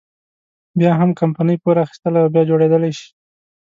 بيا هم کمپنۍ پور اخیستلی او بیا جوړېدلی شي.